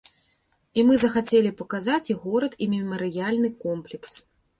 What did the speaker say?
І мы захацелі паказаць і горад, і мемарыяльны комплекс.